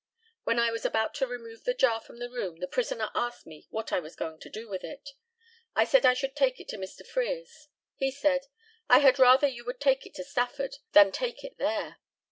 When I was about to remove the jar from the room, the prisoner asked me what I was going to do with it. I said I should take it to Mr. Frere's. He said, "I had rather you would take it to Stafford than take it there."